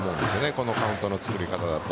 このカウントのつくり方だと。